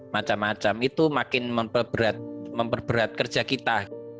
macam macam itu makin memperberat kerja kita